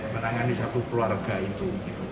menangani satu keluarga itu